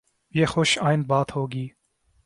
یہ خوش آئند بات ہو گی۔